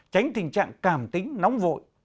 tránh tình trạng cảm tính nóng vội